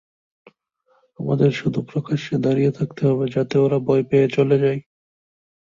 আমাদের শুধু প্রকাশ্যে দাঁড়িয়ে থাকতে হবে যাতে ওরা ভয় পেয়ে চলে যায়।